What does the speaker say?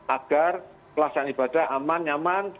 agar pelaksanaan ibadah aman nyaman